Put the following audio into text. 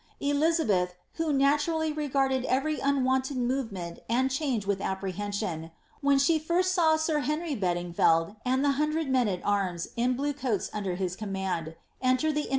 Elizabeth, who naturally regarded every unwonted movement and change with apprehension, when she first saw sir Henry Bedingfeld, and the hundred men at arms in blue coats under his command, enter the MIf y wood "s EnglancVs Elizabeth ; Fox; Speed.